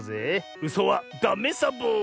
うそはダメサボ！